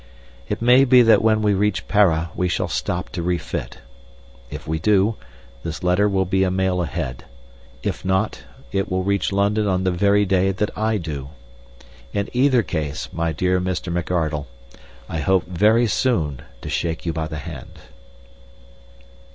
It may be that when we reach Para we shall stop to refit. If we do, this letter will be a mail ahead. If not, it will reach London on the very day that I do. In either case, my dear Mr. McArdle, I hope very soon to shake you by the hand.